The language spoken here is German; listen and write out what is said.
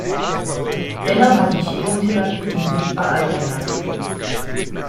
Dennoch hat die Chemotherapie ihn sichtbar altern lassen.